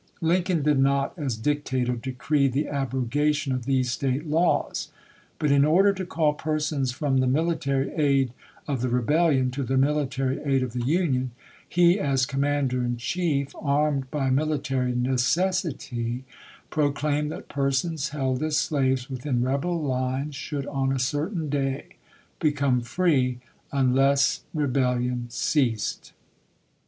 Lincoln did not, as dictator, decree the abrogation of these State laws ; but in order to call persons from the military aid of the rebellion to the military aid of MILITAEY EMANCIPATION 425 the Union, he, as Commander in Chief, armed by ch. xxiv. mihtary necessity, proclaimed that persons held as slaves within rebel lines should on a certain day become free unless rebellion ceased.